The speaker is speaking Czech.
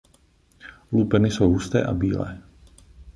Lupeny jsou husté a bílé.